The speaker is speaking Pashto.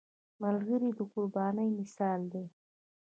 ملګری د قربانۍ مثال دی